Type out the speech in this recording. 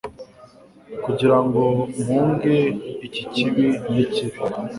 kugirango mpunge iki kibi nikibi